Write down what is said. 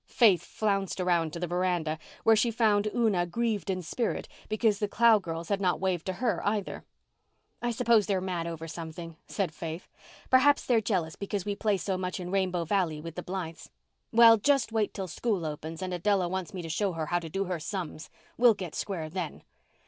Faith flounced around to the veranda, where she found Una grieved in spirit because the Clow girls had not waved to her, either. "I suppose they're mad over something," said Faith. "Perhaps they're jealous because we play so much in Rainbow Valley with the Blythes. Well, just wait till school opens and Adella wants me to show her how to do her sums! We'll get square then.